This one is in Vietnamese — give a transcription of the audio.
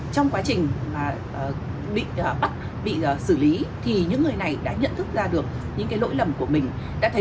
trong quá trình bị bắt bị xử lý thì những người này đã nhận thức ra được những lỗi lầm của mình đã thấy